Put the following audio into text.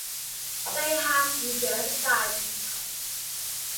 地下市長大平台